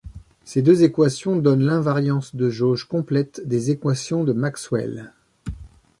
Ces deux équations donnent l'invariance de jauge complète des équations de Maxwell.